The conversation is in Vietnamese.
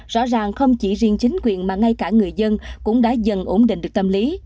rõ ràng không chỉ riêng chính quyền mà ngay cả người dân cũng đã dần ổn định được tâm lý